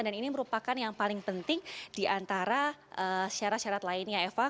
dan ini merupakan yang paling penting di antara syarat syarat lainnya eva